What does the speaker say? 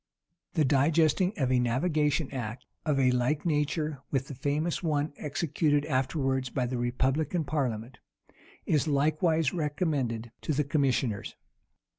The digesting of a navigation act, of a like nature with the famous one executed afterwards by the republican parliament, is likewise recommended to the commissioners.